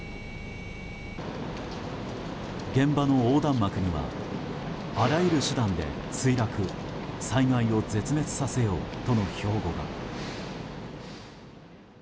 現場の横断幕には「あらゆる手段で墜落災害を絶滅させよう」との標語が。